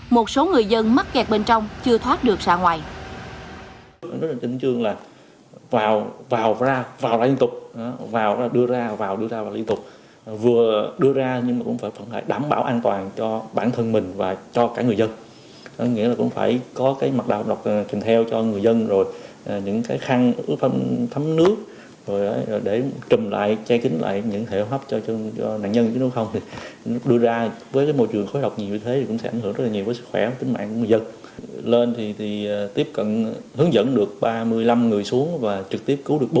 một số người dân mắc kẹt bên trong chưa thoát được xã ngoài